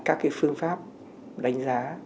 các phương pháp đánh giá